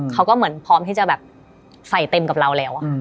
เขาก็เหมือนพร้อมที่จะแบบใส่เต็มกับเราแล้ว